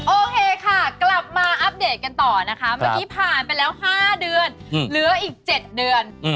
โอเคค่ะกลับมาอัปเดตกันต่อนะคะเมื่อกี้ผ่านไปแล้ว๕เดือนเหลืออีก๗เดือน